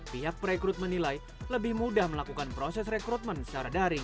pihak perekrut menilai lebih mudah melakukan proses rekrutmen secara daring